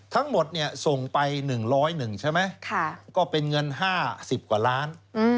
ทั้งหมดส่งไป๑๐๑ใช่ไหมก็เป็นเงิน๕๐กว่าล้าน